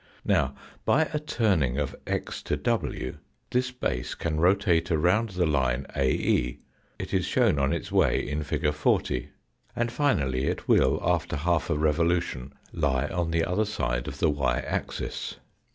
Now, by a turning of x to w, this base can rotate around the line AE, it is shown on its way in fig. 40, and finally it will, after half a revolution, lie on the other side of the y axis.